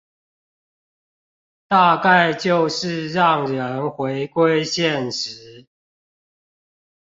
大概就是讓人回歸現實